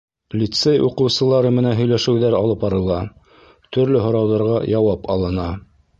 Лицей уҡыусылары менән һөйләшеүҙәр алып барыла, төрлө һорауҙарға яуап алына.